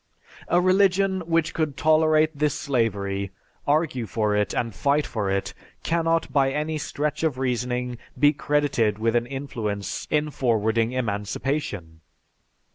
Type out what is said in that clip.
A religion which could tolerate this slavery, argue for it, and fight for it, cannot by any stretch of reasoning be credited with an influence in forwarding emancipation.